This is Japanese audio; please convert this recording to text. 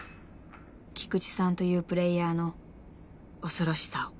［菊地さんというプレーヤーの恐ろしさを］